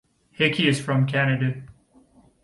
Hickey is from Canada.